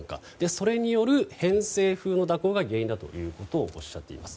それによる偏西風の蛇行が原因だとおっしゃっています。